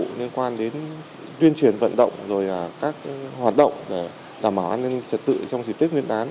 trong thời gian đến tuyên truyền vận động rồi các hoạt động để đảm bảo an ninh trật tự trong dịp tuyết nguyên án